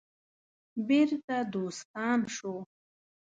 بیرته دوستان شو.